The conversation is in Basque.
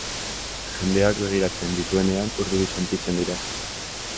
Jendeak begiratzen dituenean urduri sentitzen dira.